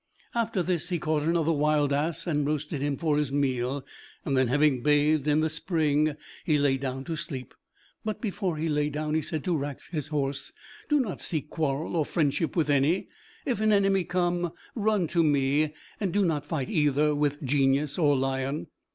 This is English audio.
After this he caught another wild ass, and roasted him for his meal. Then having bathed in the spring, he lay down to sleep; but before he lay down, he said to Raksh, his horse: "Do not seek quarrel or friendship with any. If an enemy come, run to me; and do not fight either with Genius or lion."